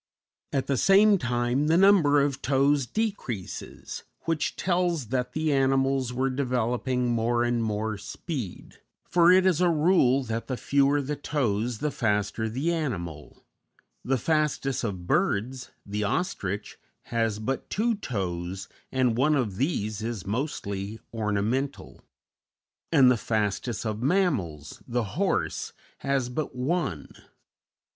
At the same time, the number of toes decreases, which tells that the animals were developing more and more speed; for it is a rule that the fewer the toes the faster the animal: the fastest of birds, the ostrich, has but two toes, and one of these is mostly ornamental; and the fastest of mammals, the horse, has but one.